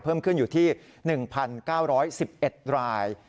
เพิ่มขึ้นอยู่ที่๑๙๑๑ราย